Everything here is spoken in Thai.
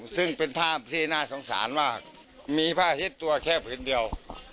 ซึ่งเป็นภาพที่น่าสงสารมากมีผ้าเช็ดตัวแค่ผืนเดียว